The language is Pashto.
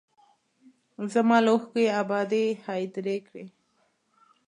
زما له اوښکو یې ابادې هدیرې کړې